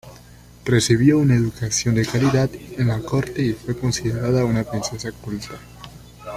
Recibió una educación de calidad en la corte y fue considerada una princesa culta.